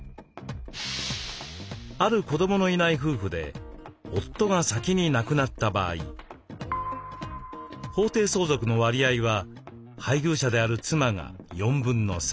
ある子どものいない夫婦で夫が先に亡くなった場合法定相続の割合は配偶者である妻が3/4。